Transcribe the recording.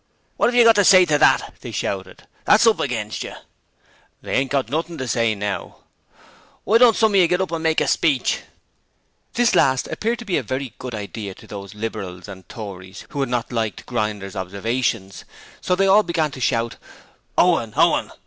'What have you got to say to that?' they shouted. 'That's up against yer!' 'They ain't got nothing to say now.' 'Why don't some of you get up and make a speech?' This last appeared to be a very good idea to those Liberals and Tories who had not liked Grinder's observations, so they all began to shout 'Owen!' 'Owen!'